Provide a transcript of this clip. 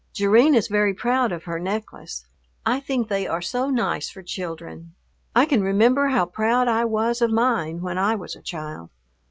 Jerrine is very proud of her necklace. I think they are so nice for children. I can remember how proud I was of mine when I was a child.